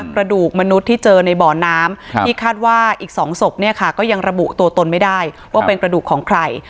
กระดูกมนุษย์ที่เจอในบ่อน้ำที่คาดว่าอีก๒ศพเนี่ยค่ะก็ยังระบุตัวตนไม่ได้ว่าเป็นกระดูกของใคร